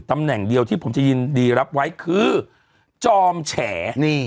ตำแหน่งเดียวที่ผมจะยินดีรับไว้คือจอมแฉ